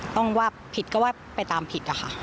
ต้องว่าผิดก็ว่าไปตามผิดอะค่ะ